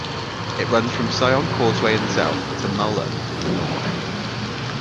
It runs from Sion Causeway in the south to Mulund in the North.